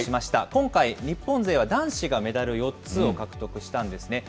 今回、日本勢は男子がメダル４つを獲得したんですね。